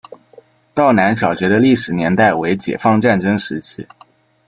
道南小学的历史年代为解放战争时期。